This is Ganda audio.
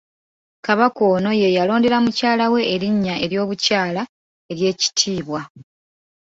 Kabaka ono ye yalondera mukyala we erinnya ery'obukyala ery'ekitiibwa.